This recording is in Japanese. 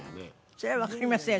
それは分かりませんよ